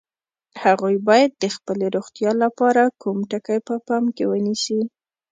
هغوی باید د خپلې روغتیا لپاره کوم ټکي په پام کې ونیسي؟